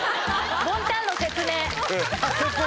ボンタンの説明。